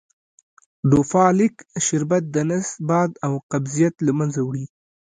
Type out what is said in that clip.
ډوفالک شربت دنس باد او قبضیت له منځه وړي .